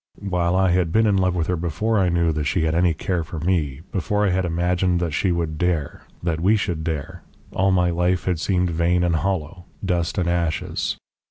While I had been in love with her before I knew that she had any care for me, before I had imagined that she would dare that we should dare, all my life had seemed vain and hollow, dust and ashes.